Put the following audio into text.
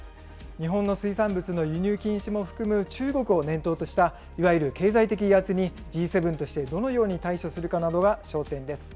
日本の水産物の輸入禁止も含む中国を念頭としたいわゆる経済的威圧に、Ｇ７としてどのように対処するかなどが焦点です。